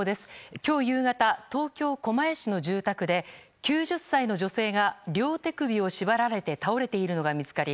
今日夕方東京・狛江市の住宅で９０歳の女性が両手首を縛られて倒れているのが見つかり